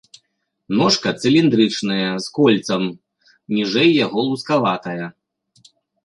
Ножка цыліндрычная, з кольцам, ніжэй яго лускаватая.